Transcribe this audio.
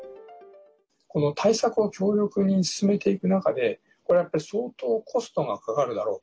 この対策を強力に進めていく中でこれは、やっぱり相当コストがかかるだろうと。